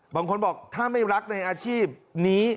บางคนบอกถ้าไม่รักในอาชีพนี้